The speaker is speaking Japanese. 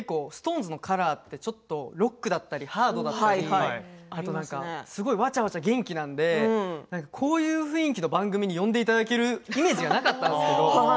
ＳｉｘＴＯＮＥＳのカラーってロックだったりハードだったりわちゃわちゃ元気なのでこういう雰囲気の番組に呼んでいただけるイメージがなかったんですよ。